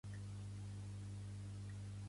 Pertany al moviment independentista l'Emma?